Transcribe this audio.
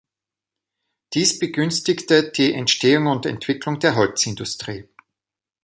Dies begünstigte die Entstehung und Entwicklung der Holzindustrie.